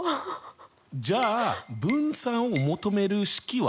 じゃあ分散を求める式は？